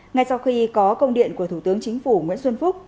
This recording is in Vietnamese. ngay sau khi có công điện của thủ tướng chính phủ nguyễn xuân phúc